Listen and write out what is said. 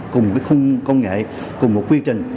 cùng cái khung công nghệ cùng một quy trình